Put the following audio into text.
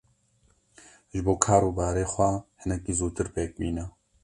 Ji bo kar û barê xwe hinekî zûtir pêk bîne.